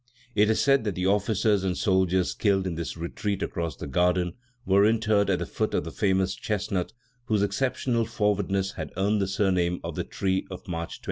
It is said that the officers and soldiers killed in this retreat across the garden were interred at the foot of the famous chestnut whose exceptional forwardness has earned the surname of the tree of March 20.